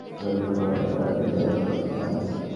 পতিতালয়ই হয়ে গিয়েছিলো আমার নতুন ঘর, আর আমি হয়ে গেলাম পতিয়া।